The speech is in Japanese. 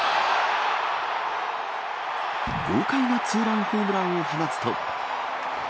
豪快なツーランホームランを放つと。